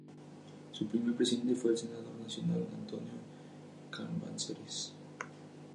Su primer presidente fue el senador nacional Antonino Cambaceres.